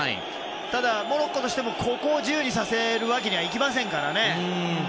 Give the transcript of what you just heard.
ただ、モロッコとしてもここを自由にさせるわけにはいきませんからね。